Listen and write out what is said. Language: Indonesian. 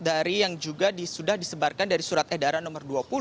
dari yang juga sudah disebarkan dari surat edaran nomor dua puluh